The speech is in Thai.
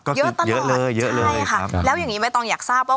ก็เยอะตลอดเยอะเลยเยอะเลยใช่ค่ะแล้วอย่างงี้ไหมตองอยากทราบว่า